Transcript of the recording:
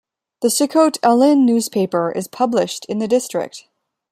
The "Sikhote-Alin" newspaper is published in the district.